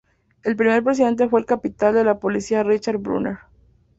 El primer presidente fue el capitán de la policía Richard Brunner.